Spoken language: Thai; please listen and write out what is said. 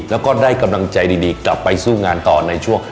แล้วก็ได้กำลังใจดีกลับไปสู้งานต่อในช่วง